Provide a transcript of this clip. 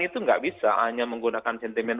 itu nggak bisa hanya menggunakan sentimen